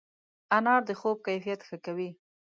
انار د خوب کیفیت ښه کوي.